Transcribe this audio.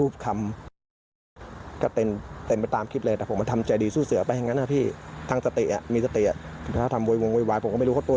ผมตกใจอยู่ก็เอามือมารูปคำ